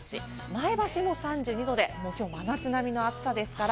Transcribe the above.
前橋も３２度で真夏並みの暑さです。